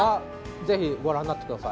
ぜひご覧になってください。